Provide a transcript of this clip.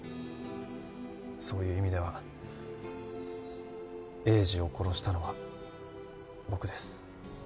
そういう意味では栄治を殺したのは僕です。